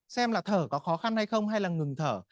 xem là thở có khó khăn hay không hay là ngừng thở